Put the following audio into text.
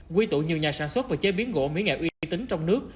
quy tụ nhiều nhà sản xuất và chế biến gỗ mỹ nghệ uy tín trong nước